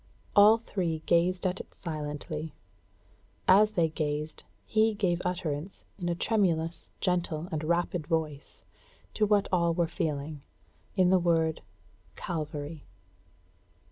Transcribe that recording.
All three gazed at it silently. As they gazed, he gave utterance in a tremulous, gentle, and rapid voice, to what all were feeling, in the word "CALVARY!"